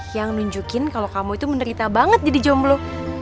yang nunjukin kalo kamu itu menerita banget jadi jomblo